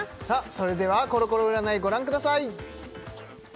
それではコロコロ占いご覧ください